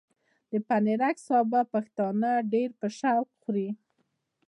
د پنېرک سابه پښتانه ډېر په شوق خوري۔